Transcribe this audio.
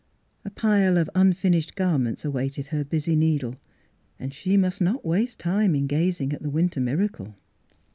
A pile of unfin ished garments awaited her busy needle, and she must not waste time in gazing at the winter miracle.